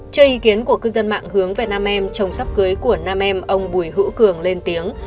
chơi ý kiến của cư dân mạng hướng về nam em trồng sắp cưới của nam em ông bùi hữu cường lên tiếng